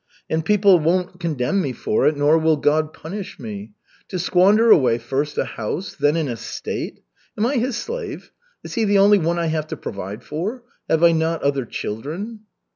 And people won't condemn me for it, nor will God punish me. To squander away first a house, then an estate! Am I his slave? Is he the only one I have to provide for? Have I not other children?"